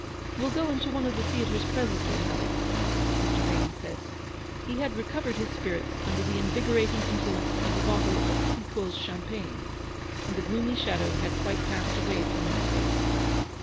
" We'll go into one of the theatres presently, Nelly," Mr. Vane said. He had recovered his spirits under the invigor ating influence of a bottle of Cliquot's champagne, and the gloomy shadow had quite passed away from his face.